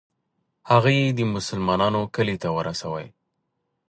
هغه یې د مسلمانانو کلي ته ورسوي.